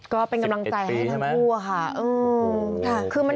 ก็เป็นกำลังใจให้ทั้งคู่อะค่ะ